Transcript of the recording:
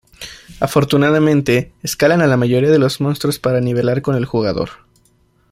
Afortunadamente, escalan a la mayoría de los monstruos para nivelar con el jugador.